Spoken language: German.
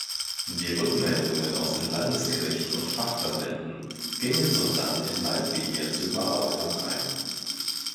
Die Rückmeldungen aus den Landeskirchen und Fachverbänden gingen sodann in Leitlinien zur Überarbeitung ein.